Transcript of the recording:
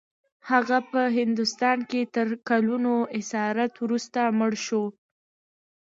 هغه په هندوستان کې تر کلونو اسارت وروسته مړ شو.